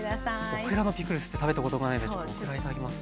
オクラのピクルスって食べたことがないのでちょっとオクラいただきます。